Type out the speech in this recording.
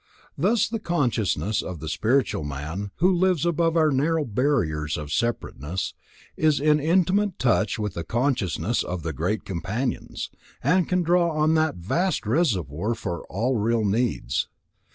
Thus the consciousness of the spiritual man, who lives above our narrow barriers of separateness, is in intimate touch with the consciousness of the great Companions, and can draw on that vast reservoir for all real needs.